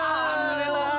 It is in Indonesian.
dikabul tuh ya